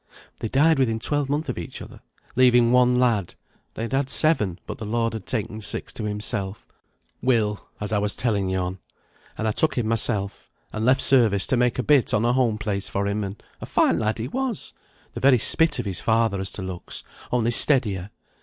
They died within twelvemonth of each other, leaving one lad (they had had seven, but the Lord had taken six to Himself), Will, as I was telling you on; and I took him myself, and left service to make a bit on a home place for him, and a fine lad he was, the very spit of his father as to looks, only steadier.